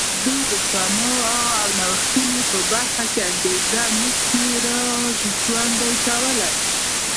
دوی د سپما او نوښتونو په برخه کې انګېزه نه شي را ژوندی کولای.